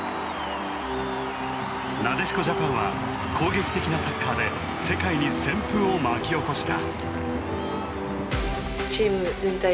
なでしこＪＡＰＡＮは攻撃的なサッカーで世界に旋風を巻き起こした。